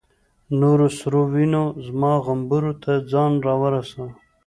نورو سرو وینو زما غومبورو ته ځان را ورساوه.